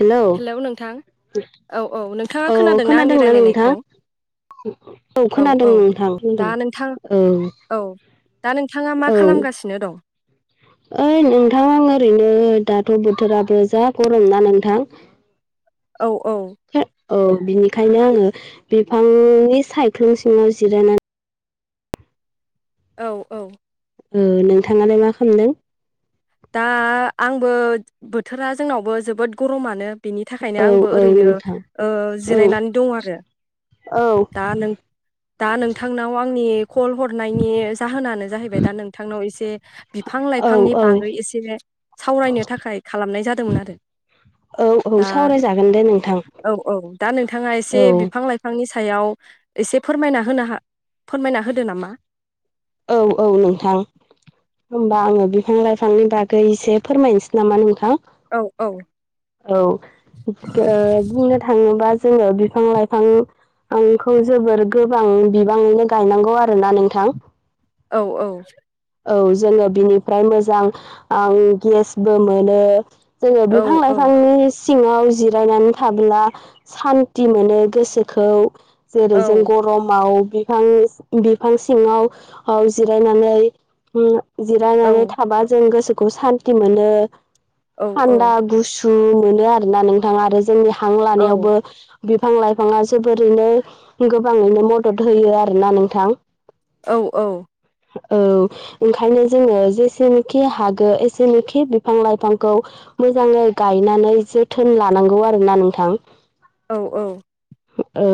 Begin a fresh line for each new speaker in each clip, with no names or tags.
Hello
औ औ नोंथाङा
औ
आंनि
खोनादोंना नोंथां?
रायलायनायखौ
औ खोनादों नोंथां
दा
खोनादों।
नोंथां
औ
औ दा नोंथाङा मा
औ
खालामगासिनो दं?
ओइ नोंथां ओरैनो दाथ' बोथोराबो जा गरम ना नोंथां।
औ औ।
औ बिनिखायनो आङो बिफांनि सायख्लुम सिङाव जिरायनानै
औ औ।
ओ नोंथाङालाय मा खामदों?
दा आंबो बोथोरा जोंनावबो जोबोद गरमानो। बिनि थाखायनो
औ
आंबो ओ
औ
ओरैनो
नोंथां औ
जिरायनानै दं आरो।
औ
दा नों दा नोंथांनाव आंनि कल हरनायनि जाहोनानो जाहैबाय दा नोंथांनाव एसे बिफां लाइफांनि
औ औ
बागै एसे सावरायनो थाखाय खालामनाय जादोंमोन आरो।
औ औ
दा
सावरायजागोन दे नोंथां
औ औ दा नोंथाङा एसे
औ
बिफां लाइफां बिफांनि सायाव एसे फोरमायना होनो ह फोरमायना होदो नामा?
औ औ नोंथां। होमबा आङो बिफां लाइफांनि बागै एसे फोरमायनोसै नामा नोंथां?
औ औ।
औ ओ बुंनो थाङोबा जोङो बिफां लाइफां आंखौ जोबोर गोबां बिबाङैनो गायनांगौ आरोना नोंथां।
औ औ।
औ जोङो बिनिफ्राय मोजां आं गेसबो मोनो। जोङो
औ
बिफां
औ
लाइफांनि सिङाव जिरायनानै थाब्ला सानन्ति मोनो गोसोखौ। जेरै जों
औ
गरमाव बिफां बिफां सिङाव औ जिरायनानै
औ
जिरायनानै थाबा जों गोसोखौ स मोनो
औ
थान्दा गुसु मोनो आरोोना नोंथाङा आरो जोंनि हां
औ
लानायावबो बिफां लाइफाङा जोबोरैनो गोबाङैनो मदद होयो आरोना नोंथां।
औ औ।
औ ओंखायनो जोङो जेसेनोखि हागो एसेनोखि बिफां लाइफांखौ मोजाङै गायनानै जोथोन लानांगौ आरोना नोंथां।
औ औ।
औ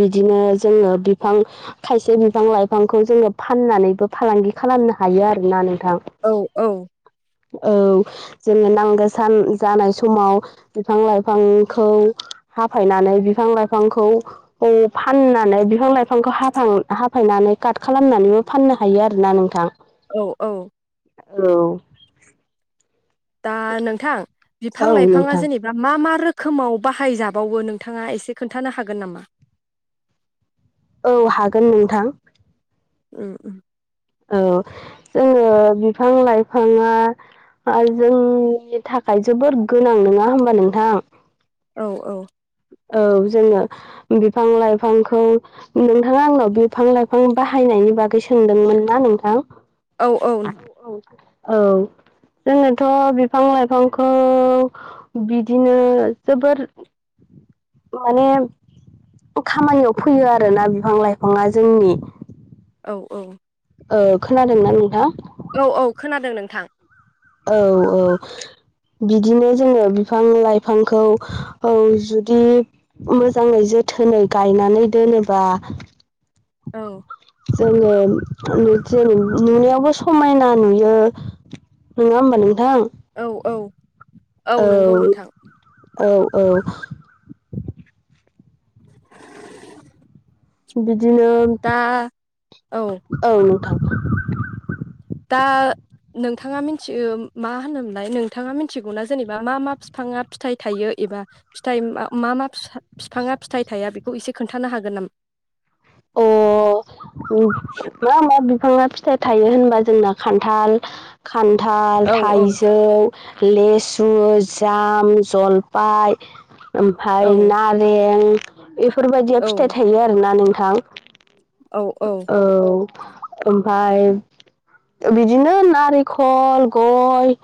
बिदिनो जोङो बिफां खायसे बिफां लाइफांखौ जोङो फाननानैबो फालांगि खालामनो हायो आरोना नोंथां।
औ औ।
औ जोङो नांग गोसान जानाय समाव बिफां लाइफांखौ हाफायनानै बिफां लाइफांखौ फाननानै बिफां लाइफांखौ हाफां-हाफायनानै काट खालामनानै फाननो हायो आरोना नोंथां
औ औ
औ
दा नोंथां बिफां
औ
लाइफाङा
नोंथां
जेनेबा दा मा मा रोखोमाव बाहायजाबावो नोंथाङा एसे खोन्थानो हागोन नामा
औ हागोन नोंथां
[inaudible]
औ जोङो बिफां लाइफाङा जोंनि थाखाय जोबोद गोनां नङा होमबा नोंथां
औ औ
औ जोङो बिफां लाइफांखौ नोंथाङा आंनाव बिफां लाइफां बाहायनायनि बागै सोंदोंमोन ना नोंथां औ औ जोंनाथ' बिफां लाइफांखौ बिदिनो जोबोर माने खामानियाव फैयो आरोना बिफां लाइफाङा जोंनि
औ औ
खोनादोंना नोंथां
औ औ खोनादों नोंथां
औ औ बिदिनो जोङो बिफां लाइफांखौ औ जुदि मोजाङै जोथोनै गायनानै दोनोबा
औ
जोङो ज नुनायावबो समायना नुयो नङा होमबा नोंथां
औ औ
औ
नंगौ नोंथां
औ औ बिदिनो
दा औ
औ नोंथां
दा नोंथाङा मिथियो मा होनोमोनलाय नोंथाङा मिथिगौना जेनेबा मा मा बिफाङा फिथाइ थायो एबा फिथाइ मा मा बिफाङा फिथाइ थाया बेखौ एसे खोन्थानो हागोन नामा
अ
[inaudible]
मा मा बिफाङा फिथाइ थायो होनबा जोंना खान्थाल खान्थाल
औ औ
थाइजौ लेसु जाम जलफाय
औ
ओमफ्राय नार बे बेफोरबायदिया
औ
फिथाइ थायो आरोना नोंथां
औ औ
औ ओमफफ्राय बिदिनो नारखल गय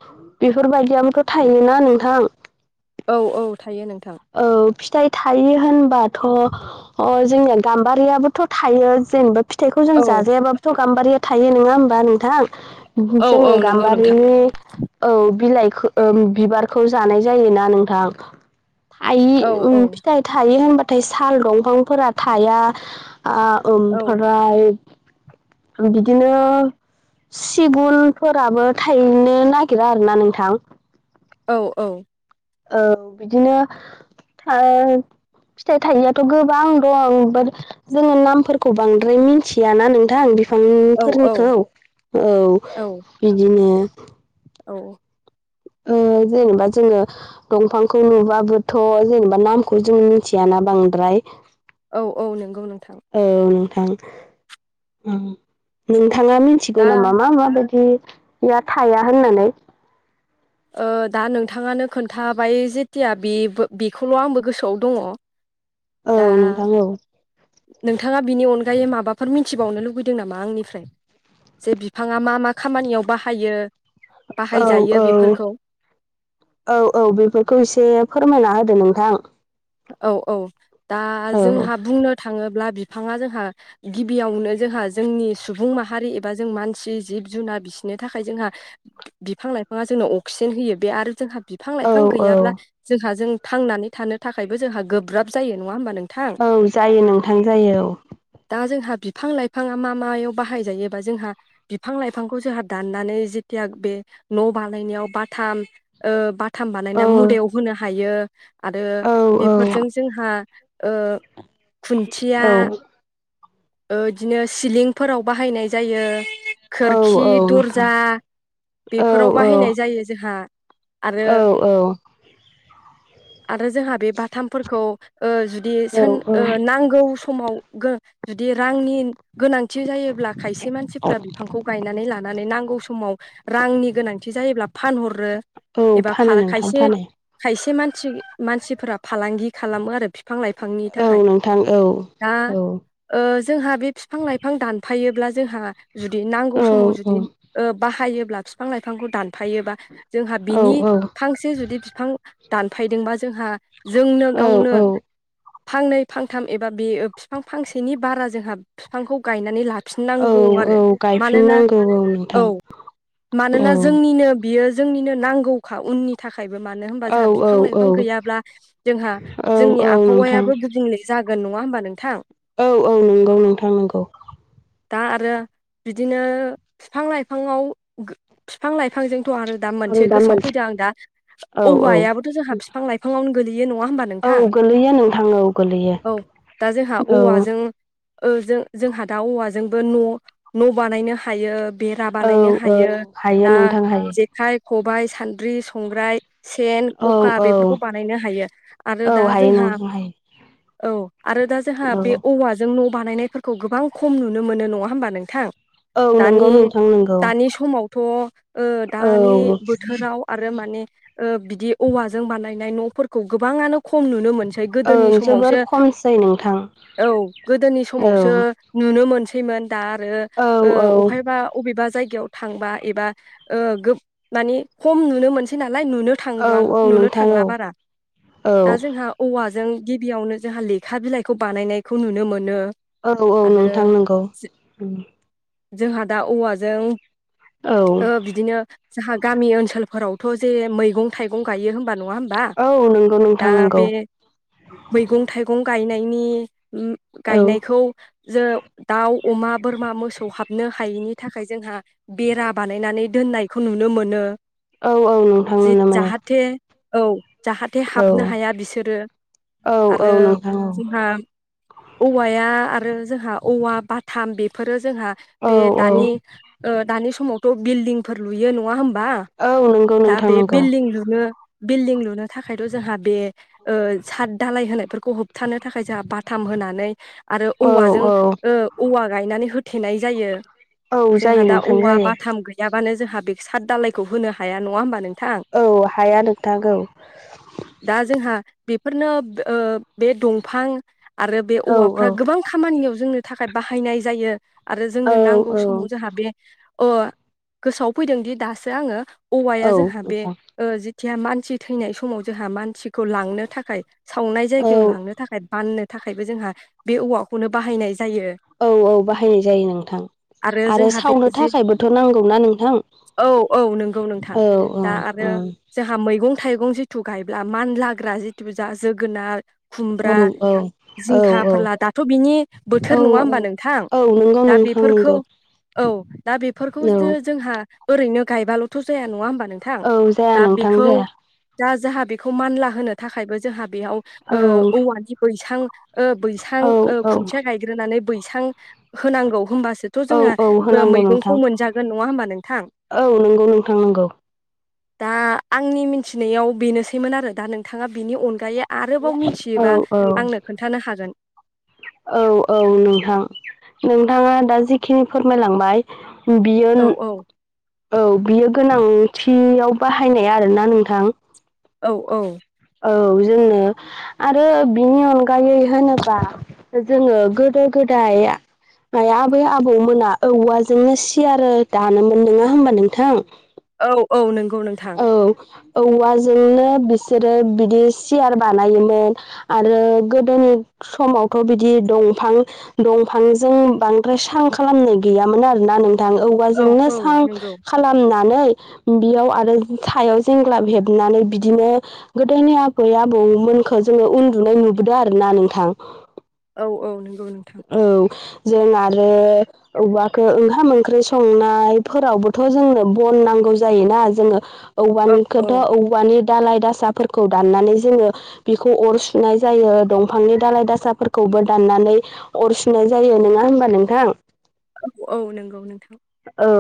बेफोरबायदियोथ' थायनोना नोंथां
औ औ थायो नोंथां
औ फिथाइ थायो होनबाथ' अ जोंनिया गाम्बारियाबोथ' थायो जेनेबा फिथाइखौ जों
औ
जाजायाबाबोथ' गाम्बारिया थायो नङा होमबा नोंथां
औ औ
जोङो
नंगौ
गाम्बारि
नोंथां।
औ बिलाइखौ बिबारखौ जानाय जायोना नोंथां थायि
औ औ
उम फिथाइ थायि होनबाथाय साल दंफांफोरा थाया ओ
औ
ओमफ्राय बिदिनो सिगुनफोराबो थायनो नागिरा आरोना नोंथां।
औ-औ।
औ बिदिनो ओ। फिथाइ थायियाथ' गोबां दं बाद जोङो नामफोरखौ बांद्राय मिथियाना नोंथां बि
औ
फांफोरनिखौ औ
औ
बिदिनो
औ।
ओ जेनेबा जोङो दंफांखौ नुबाबोथ' जेनेबा नामखौ जों मिथियाना बांद्राय।
औ-औ नंगौ नोंथां।
औ नोंथां उम नोंथाङा मि थिगौ
दा
नामा मा-माबायदि या थाया होननानै?
ओ दा नोंथाङानो खोन्थाबाय जेथिया बे बो बेखौल' आंबो गोसोआव दङ।
औ
दा
नोंथां औ
नोंथाङा बिनि अनगायै माबाफोर मिथिबावनो लुबैदों नामा आंनिफ्राय। जे बिफाङा मा-मा खामानियाव बाहायो। बाहायजायो
औ-औ।
बेफोरखौ
औ-औ बेफोरखौ एसे फोरमायना होदो नोंथां।
औ-औ दा
औ
जोंहा बुंनो थाङोब्ला बिफाङा जोंहा गिबियावनो जोंहा जोंनि सुबुं माहारि एबा जों मानसि जिब जुनार बिसोरनि थाखाय जोंहा बिफां लाइफाङा जोंनो अक्सिजेन होयो बे आरो जोंहा बिफां
औ
लाइफां
औ
गैयाब्ला जोंहा जों थांनानै थानो थाखायबो जोंहा गोब्राब जायो नङा होमबा नों
औ जायो नोंथां जायो औ।
दा जोंहा बिफां लाइफाङा मा-मायाव बाहायजायो बा जोंहा बिफां लाइफांखौ जोंहा दाननानै जेथिया बे न' बानायनायाव बाथाम ओ बाथाम
औ
बानायनाय मुदायाव होनो हायो आरो
औ औ
बेफोरजों जोंहा ओ खुन्थिया
औ
ओ इदिनो सिलिंफोराव बाहायनाय जायो। खोरखि
औ नोंथां
दर्जा
औ
बेफोराव
औ
बाहायनाय जायो जोंहा। आरो-आरो
औ
जोंहा बे बाथामफोरखौ ओ जुदि
औ
सोन ओ नांगौ समाव गो जुदि रांनि गोनांथि जायोब्ला खायसे मानसिफोरा बिफांखौ गायनानै लानानै नांगौ समाव रांनि गोनांथि जायोब्ला फानहरो
औ
एबा
फानो
फाला
नोंथां
खायसे
फानो
खायसे मानसि-मानसिफोरा फालांगि खालामो आरो बिफां लाइ फांनि
औ
थाखाय
नोंथां औ
दा।
औ
ओ जोंहा बे बिफां लाइफां दानफायोब्ला जोंहा जुदि नांगौ
औ
समाव
औ
जुदि ओ बाहायोब्ला फिफां लाइफांखौ दान फायोबा जोंहा बिनि फांसे जुदि फिफां दानफायदोंबा जोंहा जोंनो गावनो
औ औ
फांनै फांथाम एबा बे बिफां फांसे सेनि बारा जोंहा फिफांखौ गायनानै ला
औ
फिननांगौ
औ
आरो मानोना
गायफिननांगौ
औ
नोंथां औ
मानोना जोंनिनो बियो जोंनिनो नांगौखा उननि थाखायबो मानो होनबा
औ
जोंहा
औ
बिफां
औ
लाइफां गैयाब्ला जोंहा
औ
जोंनि
औ नोंथां
आबहावायाबो गुबुंले जागोन नङा होमबा नोंथां।
औ-औ नंगौ नोंथां नंगौ।
दा आरो बिदिनो फिफां लाइफाङाव गो फिफां लाइफांजोंथ' आरो दा मोनसे गोसोआव फैदों आं दा
औ औ
औवायाबोथ' जोंहा बिफां लाइ फांआवनो गोलैयो नङा होमबा
औ
नोंथां
गोलैयो नोंथां औ गोलैयो
औ दा जोंहा
औ
औवाजों। उम ओ जों जोंहा दा औवाजोंबो' न' न' बानायनो हायो। बेरा
औ
बानायनो
औ
हायो
हायो
दा
नोंथां हायो
जेखाइ खबाइ सान्द्रि संग्राय सेन
औ
ख'खा
औ
बेफोरखौ बानायनो हायो आरो
औ
दा
हायो
जोंहा
नोंथां हायो
औ आरो दा जोंहा बे
औ
औवाजों न' बानायनायफोरखौ गोबां खम नुनो मोनो नङा होमबा नोंथां?
औ नंगौ
दानि
नोंथां नंगौ
दानि समावथ' ओ
औ
दानि बोथोराव आरो माने ओ बिदि औवाजों बानायनाय न'फोरखौ गोबाङानो खम नुनो मोनसै गोदोनि समावसो
ओइ नोंथां।
औ गोदोनि
औ
समावसो नुनो मोनसैमोन। दा आरो
औ
ओ
औ
अबहायबा अबेबा जायगायाव थांबा एबा ओ गोब माने खम नुनो मोनसै नालाय नुनो
औ
थांब्लां
औ
नुनो
नोंथां औ
थांला बारा
औ
दा जोंहा औवाजों गिबियावनो जोंहा लेखा बिलाइखौ बानायनायखौ नुनो मोनो।
औ औ
आरो
नोंथां नंगौ उम।
जोंहा दा औवाजों
औ
ओ बि दिनो जोंहा गामि ओनसोलफोरावथ' जे मैगं थाइगं गायो होमबा नङा होम बा
औ नंगौ
दा
नोंथां नंगौ
बे मैगं थाइगं गायनायनि उम
औ
गायनायखौ जो दाउ अमा बोरमा मोसौ हाबनो हायैनि थाखाय जोंहा बेरा बानायनानै दोननायखौ नुनो मोनो
औ औ नोंथां
जित
नुनो मोनो
जाहाथे औ जाहाथे
औ
हाबनो हाया बिसोरो
औ औ
आरो
नोंथां
बा औवाया आरो जोंहा औवा बाथाम बेफोरो जोंहा
औ
बे
औ औ
दानि ओ दानि समावथ' बिल्डिंफोर लुयो नङा होमबा?
औ नंगौ
दा
नोंथां
बे
नंगौ
बिल्डिं लुनो बिल्डिं लुनो थाखायथ' जोंहा बे ओ साद दालाय होनायफोरखौ होब थानो थाखाय जोंहा बाथाम होनानै आरो
औ
औवाजों
औ
ओ औवा गायनानै होथेनाय जायो
औ जायो
जोंहा दा
नोंथां
औवा
जायो
बाथाम गै याबानो जोंहा बे साद दालायखौ होनो हाया नङा होमबा नोंथां?
औ हाया नोंथां औ।
दा जोंहा बेफोरनो बे ओ बे दंफां आरो बे
औ
औवाफ्रा गोबां खामानियाव जोंनो थाखाय बाहायनाय जायो। आरो
औ
जोंनो नांगौ
औ
समाव जोंहा बे अ गोसोआव फैदोंदि दासो आङो औवाया
औ
जोंहा बे
नोंथां
ओ जि थिया मानसि थैनाय समाव जोंहा मानसिखौ लांनो थाखाय सावनाय
औ
जायगायाव लांनो थाखाय बाननो थाखायबो जोंहा बे औवाखौनो बाहायनाय जायो।
औ औ बाहायनाय जायो नोंथां। आरो
जोंहा बे
सावनो
जे
थाखायबोथ' नांगौना नोंथां?
औ औ नंगौ नोंथां
औ
दा
औ
आरो
ओं।
जोंहा मैगं थाइगं जिथु गायब्ला मानलाग्रा जिथु जा जोगोनार खुमब्रा
औ औ।
जिंखा फोरला दाथ' बिनि
औ
बोथोर नङा होमबा नोंथां?
औ नंगौ
दा
नोंथां
बेफोरखौ
नंगौ
औ दा बेफोरखौ जो
औ
जोंहा ओरैनो गायबाल'थ' जाया नङा होमबा नों थां
औ जाया
दा
नोंथां
बेखौ
जाया
दा जाहा बेखौ मानला होनो थाखायबो जोंहा बेयाव ओ
औ
औवानि बैसां ओ बैसां
औ
ओ
औ
खुन्थिया गायग्रोनानै बैसां होनांगौ होनोमबासो थ'
औ औ
जोंहाबो
होनांगौ नोंथां
मैगंखौ मोनजागोन नङा होमबा नोंथां?
औ नंगौ नोंथां नंगौ
दा आंनि मिथिनायाव बेनोसैमोन आरो दा नोंथाङा बिनि अनगायै आ रोबाव
औ
मिथियोबा
औ
आंनो खोन्थानो हागोन।
औ औ नोंथां नोंथाङा दा जिखिनि फोरमायलांबाय उम बियो
औ
न
औ
औ बियो गोनांथियाव बाहायनाय आरोना नोंथां।
औ औ।
औ जोंनो आरो बिनि अनगायै होनोबा जोङो गोदो गोदाय आया आबै-आबौ मोना औवाजोंनो सिार दानोमोन नङा होमबा नोंथां।
औ औ नंगौ नोंथां।
औ औवाजोंनो बिसोरो बिदि सियार बानायोमोन। आरो गोदोनि समावथ' बिदि दंफां दंफांजों बांद्राय सां खालामनाय गैयामोन आरोना नोंथां औ। औवाजोंनो
औ
सां
नंगौ
खालामनानै बेयाव आरो सायाव जेंग्लाब हेबनानै बिदिनो गोदोनि आबै आबौमोनखौ जोङो उन्दुनाय नुबोदों आरोना नोंथां।
औ औ नंगौ नोंथां।
औ जों आरो औवाखो ओंखाम -ओंख्रि संनाय फोरावबोथ' जोंनो बन नांगौ जायोना जोङो
औ औ
औवानिखौथ' औवानि दालाय दासाफोरखौ दाननानै जोङो बिखौ अर सुनाय जायो दंफांनि दाालाय दासाफोरखौबो दाननानै। अर सुनाय जायो नङा होमबा नोंथां।
औ औ नंगौ नोंथां।
औ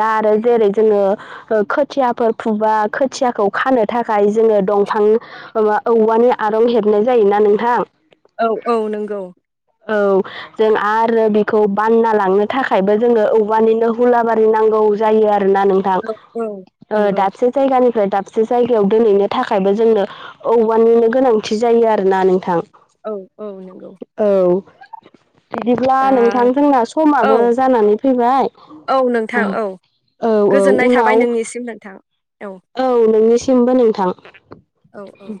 दा आरो जेरै जोङो ओ खोथियाफोर फुबा खोथियाखौ खानो थाखाय जोङो दंफां ओमा औवानि आरं हेबनाय जायोना नोंथां।
औ औ नंगौ।
औ जों आरो बेखौ बानना लांनो थाखायबो जोङो औवानिनो हुलाबारि नांगौ जायो आरोना नोंथां।
औ
ओ
नंगौ
दाबसे जायगानिफ्राय दाबसे जायगायाव दोनहैनो थाखायबो जोंनो औवानिनो गोनांथि जायो आरोना नोंथां।
औ औ नंगौ।
औ बिदिब्ला
दा
नोंथां जोंना समाबो
औ
जानानैै फैबाय
औ नोंथां
उम औ औ उनाव
सिम नोंथां औ।
औ नोंनिसिमबो नोंथां
औ औ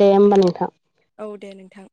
दे होमबा नोंथां।
औ दे नोंथां।